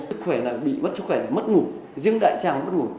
sức khỏe là bị mất sức khỏe mất ngủ riêng đại tràng mất ngủ